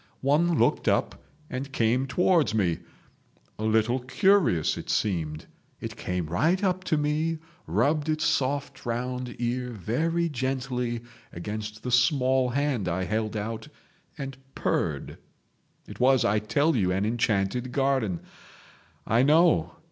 One looked up and came towards me, a little curious as it seemed. It came right up to me, rubbed its soft round ear very gently against the small hand I held out and purred. It was, I tell you, an enchanted garden. I know.